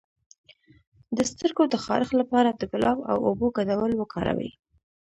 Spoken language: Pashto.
د سترګو د خارښ لپاره د ګلاب او اوبو ګډول وکاروئ